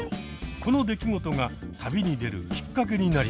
この出来事が旅に出るきっかけになりました。